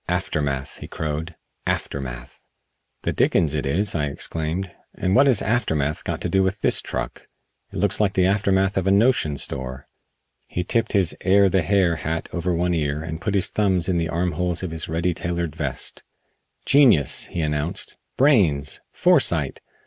"Aftermath!" he crowed, "aftermath!" "The dickens it is," I exclaimed, "and what has aftermath got to do with this truck? It looks like the aftermath of a notion store." He tipped his "Air the Hair" hat over one ear and put his thumbs in the armholes of his "ready tailored" vest. "Genius!" he announced. "Brains! Foresight!